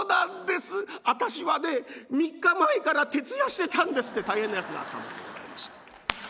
私はね３日前から徹夜してたんです」って大変なやつがあったもんでございまして。